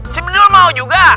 si bedul mau juga